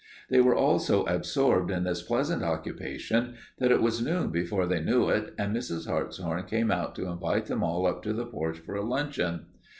They were all so absorbed in this pleasant occupation that it was noon before they knew it, and Mrs. Hartshorn came out to invite them all up to the porch for a luncheon.